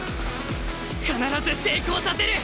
必ず成功させる！